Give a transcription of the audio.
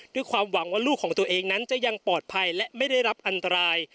ด้วยความหวังว่าลูกของตัวเองนั้นจะยังปลอดภัยและไม่ได้รับอันตราย